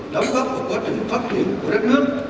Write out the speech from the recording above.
đóng góp vào quá trình phát triển của đất nước